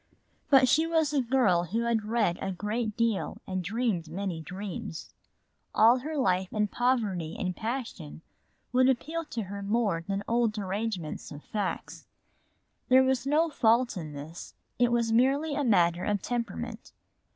But she was a girl who had read a great deal and dreamed many dreams. All her life poetry and passion would appeal to her more than cold arrangements of facts. There was no fault in this, it was merely a matter of temperament.